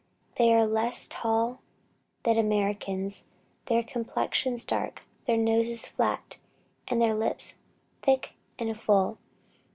They are less tall than Americans, their complexions dark, their noses flat, and their lips thick and full.